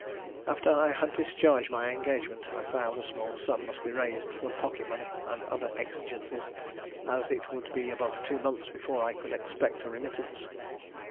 After I had discharged my engagement I found a small sum must be raised for pocket money, and other exigencies, as it would be above two months before I could expect a remittance.